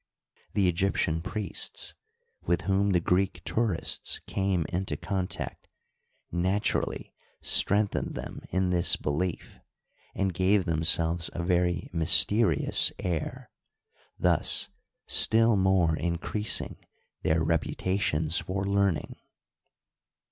The Egyptian priests with whom the Greek tourists came into contact naturally strengthened them in this belief, and gave them selves a very mysterious air, thus still more increasing their reputations for learning.